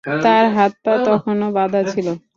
তার হাত -পা তখনো বাঁধা ছিল।